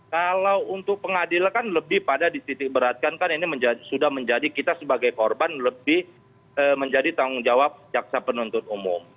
kalau untuk pengadilan kan lebih pada dititik beratkan kan ini sudah menjadi kita sebagai korban lebih menjadi tanggung jawab jaksa penuntut umum